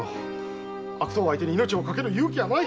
悪党相手に命を賭ける勇気はない！